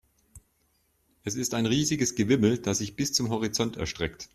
Es ist ein riesiges Gewimmel, das sich bis zum Horizont erstreckt.